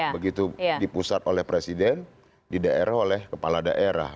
begitu dipusat oleh presiden di daerah oleh kepala daerah